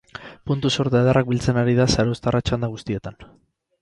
Puntu sorta ederrak biltzen ari da zarauztarra txanda guztietan.